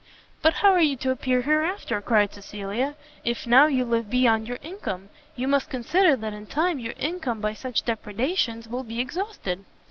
"But how are you to appear hereafter?" cried Cecilia, "if now you live beyond your income, you must consider that in time your income by such depredations will be exhausted."